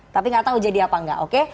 tapi tidak tahu jadi apa tidak